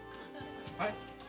はい？